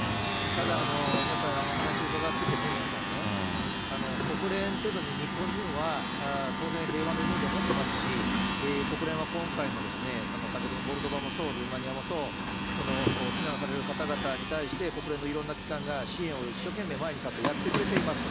ただ、やっぱりお話伺ってて、宮根さんね、国連っていうのに、日本人は当然、平和のイメージを持ってますし、国連は今回もその先ほどのモルドバもそう、ルーマニアもそう、避難される方々に対して、国連のいろんな機関が支援を一生懸命、前に立ってやってくれています。